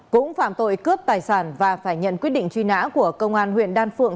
cũng phạm tội cướp tài sản và phải nhận quyết định truy nã của công an huyện đan phượng